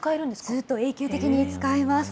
ずっと永久的に使えます。